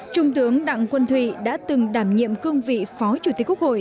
trung tướng đặng quân thụy đã từng đảm nhiệm cương vị phó chủ tịch quốc hội